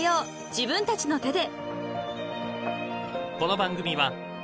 自分たちの手で］